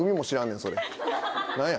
何や。